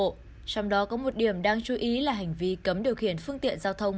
trong đó có một điểm đáng chú ý là hành vi cấm điều khiển phương tiện giao thông